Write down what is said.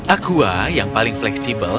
aqua yang paling fleksibel